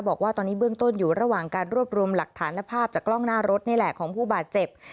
บอกว่าตอนนี้เบื้องต้นอยู่ระหว่างการรวบรวมหลักฐานและภาพจากกล้องหน้ารถนี่แหละของผู้บาดเจ็บ